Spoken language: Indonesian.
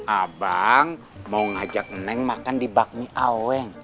abang mau ngajak neneng makan di bakmi aweng